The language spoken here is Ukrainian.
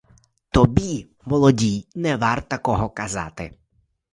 Тобі, молодій, і не варт такого казати.